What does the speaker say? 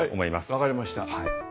分かりました。